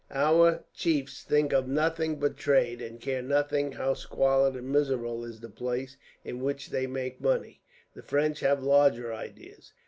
Our chiefs think of nothing but trade, and care nothing how squalid and miserable is the place in which they make money. The French have larger ideas.